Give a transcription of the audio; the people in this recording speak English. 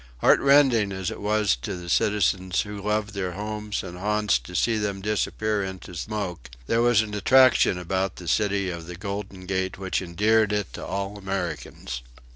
Heartrending as it was to the citizens who loved their homes and haunts to see them disappear into smoke, there was an attraction about the city of the Golden Gate which endeared it to all Americans.